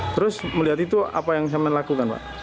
terus melihat itu apa yang saya lakukan pak